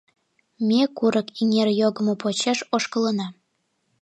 Ме курык эҥер йогымо почеш ошкылына.